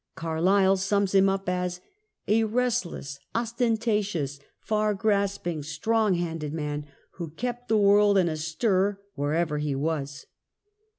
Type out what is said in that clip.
Carlyle sums him up as : "a restless, ostentatious, far grasping, strong handed man, who kept the world in a stir wherever he was